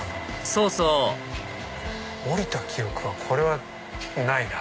そうそう降りた記憶はこれはないな。